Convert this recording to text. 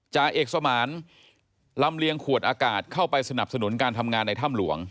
จ่าเอกสมานลำเลียงขวดอากาศเข้าไปสนับสนุนการทำงานในถ้ำหลวง